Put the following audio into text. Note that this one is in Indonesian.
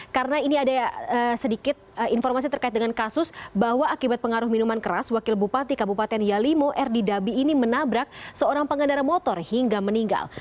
karena ini ada sedikit informasi terkait dengan kasus bahwa akibat pengaruh minuman keras wakil bupati kabupaten yalimo r d dabi ini menabrak seorang pengendara motor hingga meninggal